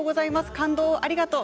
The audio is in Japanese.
感動をありがとう！